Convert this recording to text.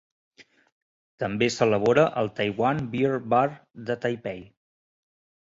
També s'elabora al Taiwan Beer Bar de Taipei.